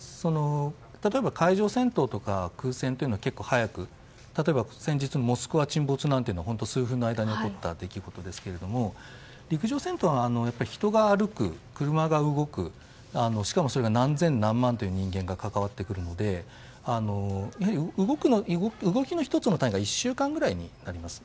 例えば、海上戦闘とか空戦というのは早く、例えば先日の「モスクワ」沈没というのは数分の間に起こった出来事ですが陸上戦闘は人が歩く、車が動くしかもそれが何千、何万という人間が関わってくるので動きの１つの単位が１週間くらいになります。